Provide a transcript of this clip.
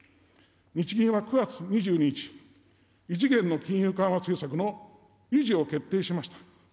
日銀は９月２２日、異次元の金融緩和政策の維持を決定しました。